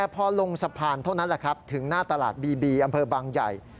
พวกนั้นถึงหน้าตลาดบีบีอำเภอบางใหญ่